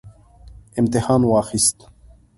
امتحان واخیست